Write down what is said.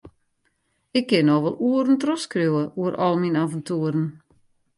Ik kin noch wol oeren trochskriuwe oer al myn aventoeren.